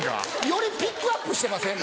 よりピックアップしてません？